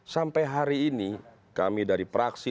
sampai hari ini kami dari praksi